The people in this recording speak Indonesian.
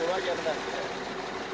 itu bukan di kantor